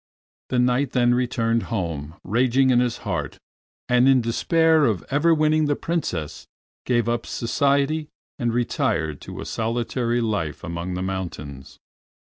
The Knight then returned home, raging in his heart; and in despair of ever winning the Princess gave up society and retired to a solitary life among the mountains.